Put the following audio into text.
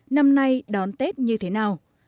năm nay đón tết như thế nào